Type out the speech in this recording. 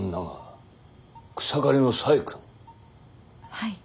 はい。